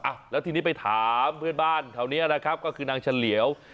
อ่ะแล้วทีนี้ไปถามเพื่อนบ้านแถวนี้นะครับก็คือนางเฉลียว